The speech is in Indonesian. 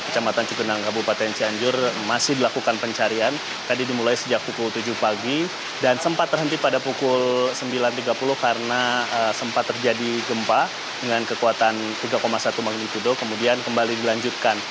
kecamatan cugenang kabupaten cianjur masih dilakukan pencarian tadi dimulai sejak pukul tujuh pagi dan sempat terhenti pada pukul sembilan tiga puluh karena sempat terjadi gempa dengan kekuatan tiga satu magnitudo kemudian kembali dilanjutkan